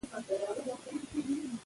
انسان له د وقتي ذهني تناو نه